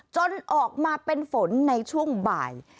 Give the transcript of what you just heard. จนออกมาเป็นฝนในช่วงบ่าย